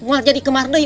muar jadi kemardai